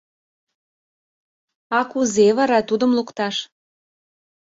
А кузе вара тудым лукташ?